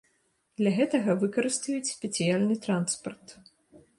Для гэтага выкарыстаюць спецыяльны транспарт.